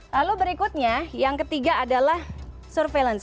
lalu berikutnya yang ketiga adalah surveillance